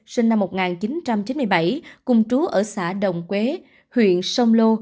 sinh năm một nghìn chín trăm chín mươi bảy cùng trú ở xã đồng quế huyện sông lô